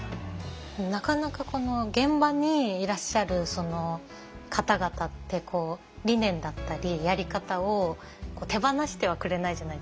なかなか現場にいらっしゃる方々って理念だったりやり方を手放してはくれないじゃないですか。